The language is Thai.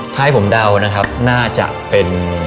ถ้าให้ผมเดานะครับน่าจะเป็น